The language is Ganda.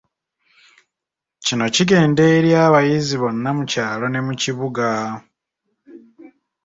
Kino kigenda eri abayizi bonna mukyalo ne mu kibuga.